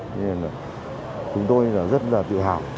thế nên là chúng tôi là rất là tự hào